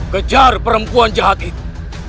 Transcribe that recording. kejar perempuan jahat itu